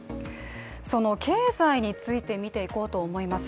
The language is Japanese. その経済について見ていこうと思います。